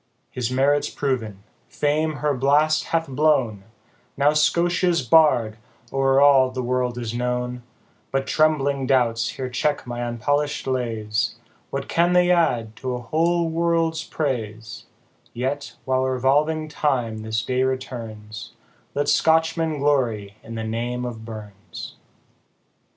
His merits proven fame her blast hath blown, Now Scotia's Bard o'er all the world is known But trembling doubts here check my unpolished lays, What can they add to a whole world's praise ; Yet, while revolving time this day returns, Let Scotchmen glory in the name of BURNS.